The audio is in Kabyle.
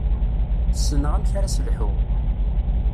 Ssneɣ amek ara s-lḥuɣ.